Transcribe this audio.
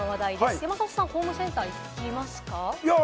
山里さんはホームセンター行きますか？